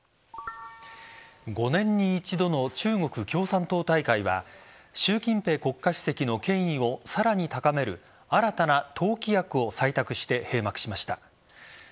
５年に一度の中国共産党大会は習近平国家主席の権威をさらに高める新たな党規約を採択して閉幕しました。